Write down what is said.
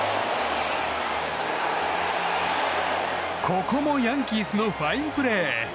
ここもヤンキースのファインプレー！